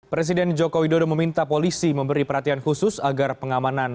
presiden joko widodo meminta polisi memberi perhatian khusus agar pengamanan